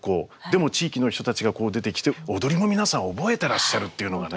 でも地域の人たちがこう出てきて踊りも皆さん覚えてらっしゃるっていうのがね。